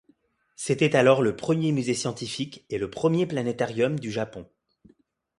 C’était alors le premier musée scientifique et le premier planétarium du Japon.